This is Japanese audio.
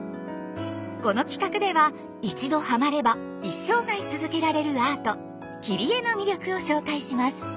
この企画では一度ハマれば一生涯続けられるアート「切り絵」の魅力を紹介します。